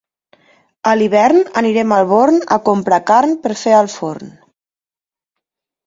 A l'hivern anirem al Born a comprar carn per fer al forn.